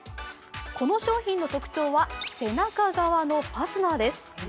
この商品の特徴は背中側のファスナーです。